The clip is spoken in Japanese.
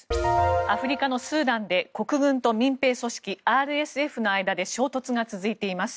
アフリカのスーダンで国軍と民兵組織ＲＳＦとの間で衝突が続いています。